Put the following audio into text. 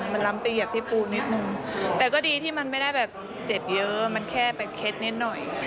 มันล้ำไปเหยียบที่ปูนิดนึงแต่ก็ดีที่มันไม่ได้แบบเจ็บเยอะมันแค่แบบเคล็ดนิดหน่อย